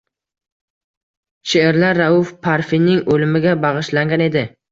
She’rlar Rauf Parfining o’limiga bag’ishlangan edi.